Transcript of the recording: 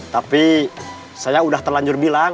tapi saya sudah terlanjur bilang